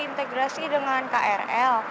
terintegrasi dengan krl